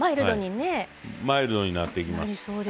マイルドになっていきます。